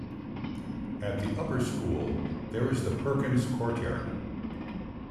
At the Upper School, there is the Perkins Courtyard.